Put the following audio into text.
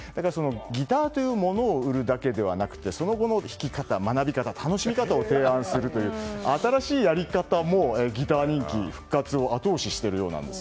ギターというものを売るだけではなくてその後の弾き方楽しみ方を提案するという新しいやり方もギター人気の復活を後押ししているようです。